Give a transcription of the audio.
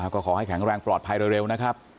ก็ขอให้แข็งแรงปลอดภัยเร็วนะครับ